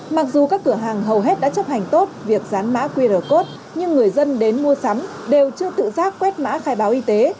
mặc dù các cửa hàng hầu hết đã chấp hành tốt việc dán mã qr code nhưng người dân đến mua sắm đều chưa tự giác quét mã khai báo y tế